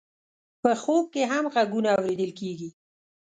په خوب کې هم غږونه اورېدل کېږي.